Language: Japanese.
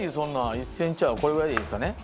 １センチ幅これぐらいでいいですかね？